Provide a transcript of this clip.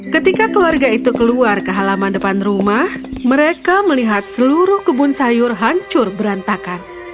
ketika keluarga itu keluar ke halaman depan rumah mereka melihat seluruh kebun sayur hancur berantakan